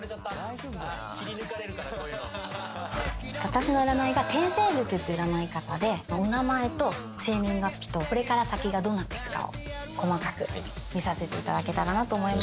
私の占いが天星術っていう占い方でお名前と生年月日とこれから先がどうなっていくかを細かく見させていただけたらなと。